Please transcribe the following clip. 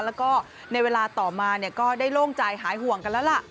แล้วก็ในเวลาต่อมาก็ได้โล่งใจหายห่วงกันแล้วล่ะ